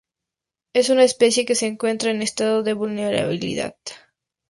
Es una especie que se encuentra en estado de vulnerabilidad.